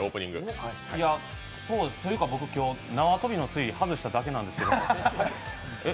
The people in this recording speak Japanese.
というか僕、今日、縄跳びの推理外しただけなんですけど。